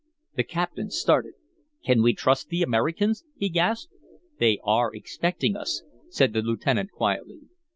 The captain started. "Can we trust the Americans?" he gasped. "They are expecting us," said the lieutenant quietly.